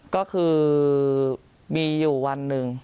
ก็คือมีอยู่วันหนึ่ง